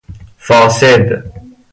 فاسد